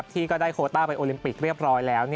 ที่ก็ได้โคต้าไปโอลิมปิกเรียบร้อยแล้ว